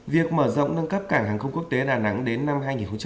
việc mở rộng nâng cấp cảng hàng không quốc tế đà nẵng đến năm hai nghìn ba mươi